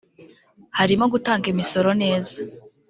harimo gutanga imisoro neza